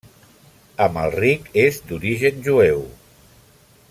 Amalric és d'origen jueu.